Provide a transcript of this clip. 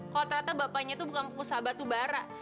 kalo ternyata bapaknya tuh bukan pengusaha batu bara